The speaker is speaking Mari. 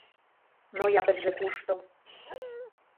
Ноябрьже кушто...